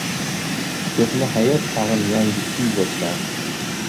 Ko‘hna hayot tag‘in yangi kuy boshlar.